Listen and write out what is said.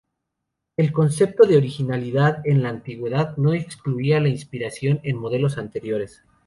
El concepto de originalidad en la antigüedad no excluía la inspiración en modelos anteriores.